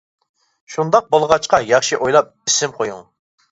شۇنداق بولغاچقا ياخشى ئويلاپ ئىسىم قۇيۇڭ!